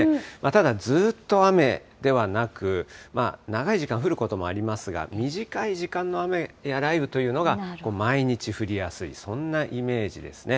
ただずっと雨ではなく、長い時間降ることもありますが、短い時間の雨や雷雨というのが毎日降りやすい、そんなイメージですね。